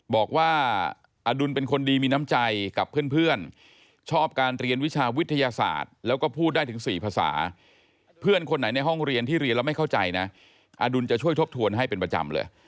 บอกว่าอดุลเป็นคนดีมีน้ำใจกับเพื่อนชอบการเรียนวิชาวิทยาศาสตร์แล้วก็พูดได้ถึง๔ภาษาเพื่อนคนไหนในห้องเรียนที่เรียนแล้วไม่เข้าใจนะอดุลจะช่วยทบทวนให้เป็นประจำเลย